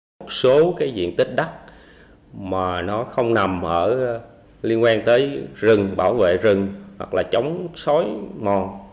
một số cái diện tích đất mà nó không nằm ở liên quan tới rừng bảo vệ rừng hoặc là chống sói mòn